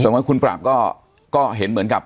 สำหรับคุณปราบก็เห็นเหมือนกับ